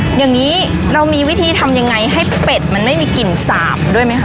อย่างนี้เรามีวิธีทำยังไงให้เป็ดมันไม่มีกลิ่นสาบด้วยไหมคะ